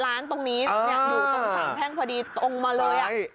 ร้านตรงนี้อยู่ตรงสามแพ่งพอดีตรงมาเลย